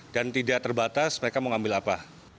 dan tidak terbatas mereka mengambil apa